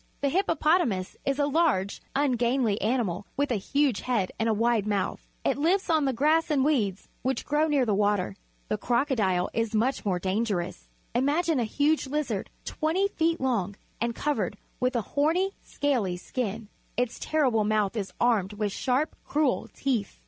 The hippopotamus is a large, un gainly ani mal with a huge head and a wide mouth. It lives on the grass an weeds whicli grow near the water. The cro c o dile is much ^^^ more dan ~ geroUS. Ima ^ Hippopotamus gine a huge lizard twenty feet long and covered with a horny, scaly skin. Its ter rible mouth is armed with sharp, cruel teeth.